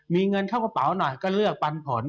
มีเงินเข้ากระเป๋าหน่อยก็เลือกปันผล